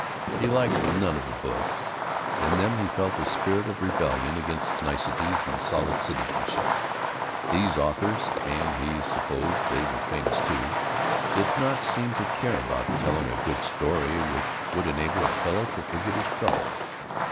He liked none of the books. In them he felt a spirit of rebellion against niceness and solid citizenship. These authors and he supposed they were famous ones, too did not seem to care about telling a good story which would enable a fellow to forget his troubles.